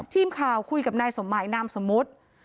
ทีมข่าวคุยกับนายสมหมายนามสมมุติ